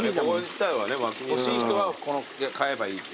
欲しい人は買えばいい。